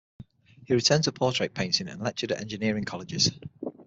He returned to portrait painting and lectured at engineering colleges.